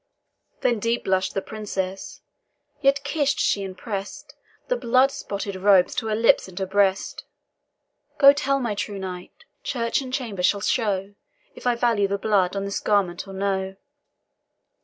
Then deep blush'd the Princess yet kiss'd she and press'd The blood spotted robes to her lips and her breast. "Go tell my true knight, church and chamber shall show If I value the blood on this garment or no."